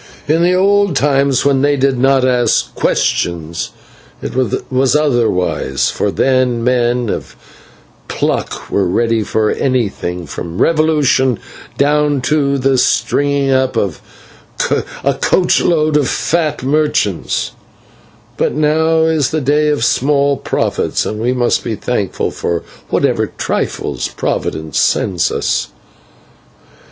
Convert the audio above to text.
In the old times, when they did not ask questions, it was otherwise, for then men of pluck were ready for anything from revolution down to the stringing up of a coach load of fat merchants, but now is the day of small profits, and we must be thankful for whatever trifles Providence sends us."